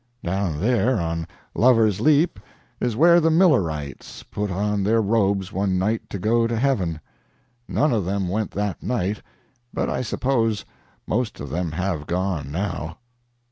Down there on Lover's Leap is where the Millerites put on their robes one night to go to heaven. None of them went that night, but I suppose most of them have gone now."